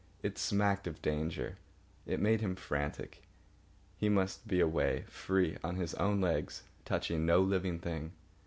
It smacked of danger. It made him frantic. He must be away, free, on his own legs, touching no living thing.